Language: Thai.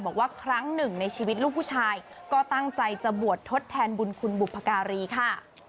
บอกว่าครั้งหนึ่งในชีวิตลูกผู้ชายก็ตั้งใจจะบวชทดแทนบุญคุณบุพการีค่ะ